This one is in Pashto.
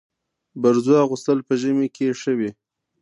برزو اغوستل په ژمي کي ښه وي.